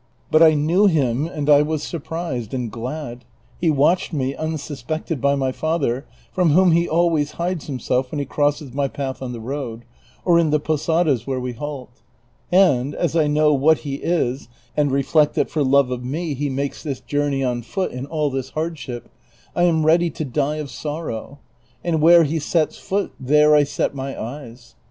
But I knew him, and I was surprised, and glad; he watched me, unsus pected by my father, from whom he always hides himself when he crosses my path on the road, or in the posadas where we halt ; and, as I know what he is, and reflect that for love of me he makes this journey on foot in all this hardship, I am ready to die of sorrow ; and where he sets foot there I set my eyes.